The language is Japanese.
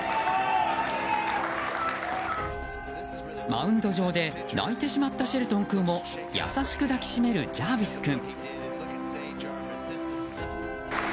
マウンド上で泣いてしまったシェルトン君を優しく抱きしめるジャービス君。